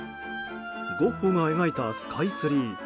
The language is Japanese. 「ゴッホが描いたスカイツリー」。